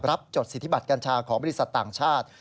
จดสิทธิบัติกัญชาของบริษัทต่างชาติ